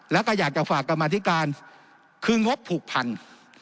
แล้วก็อยากจะฝากกรรมธิการคืองบผูกพัน